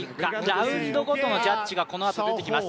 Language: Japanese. ラウンドごとのジャッジがこのあと出てきます。